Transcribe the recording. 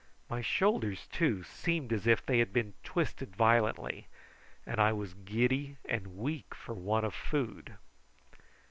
My shoulders, too, seemed as if they had been twisted violently, and I was giddy and weak for want of food.